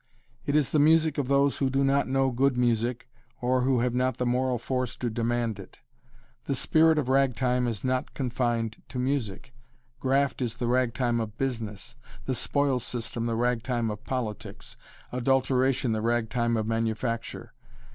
It is the music of those who do not know good music or who have not the moral force to demand it. The spirit of ragtime is not confined to music: graft is the ragtime of business, the spoils system the ragtime of politics, adulteration the ragtime of manufacture.